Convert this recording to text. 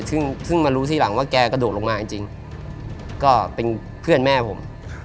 ซึ่งมารู้ทีหลังว่าแกกระโดดลงมาจริงก็เป็นเพื่อนแม่ผม